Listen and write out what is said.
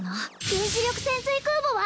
原子力潜水空母は？